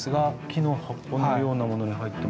木の箱のようなものに入ってます。